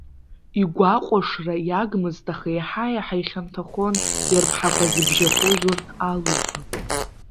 Игәаҟәышра иагмызт, аха еиҳа-еиҳа ихьанҭахон ирԥҳақәа зыбжьахоз урҭ алуқәа.